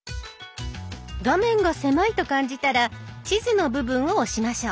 画面が狭いと感じたら地図の部分を押しましょう。